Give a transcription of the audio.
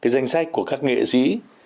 danh sách của các nghệ sĩ